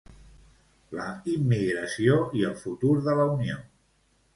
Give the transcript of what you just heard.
La immigració i el futur de la Unió.